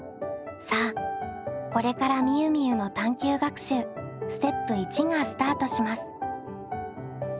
さあこれからみゆみゆの探究学習ステップ①がスタートします。